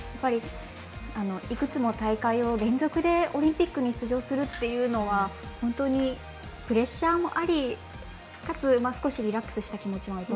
いくつも大会を連続でオリンピックに出場するというのは本当にプレッシャーもありかつ、少しリラックスした気持ちも。